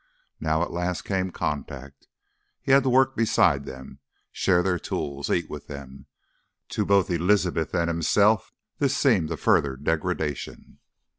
Now at last came contact; he had to work beside them, share their tools, eat with them. To both Elizabeth and himself this seemed a further degradation.